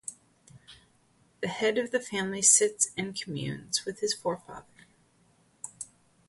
The head of the family sits and communes with his forefather.